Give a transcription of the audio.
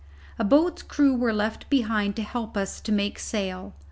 A boat's crew were left behind to help us to make sail.